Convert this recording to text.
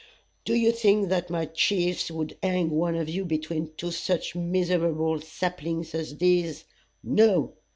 "Do you think that my chiefs would hang one of you between two such miserable saplings as these? No!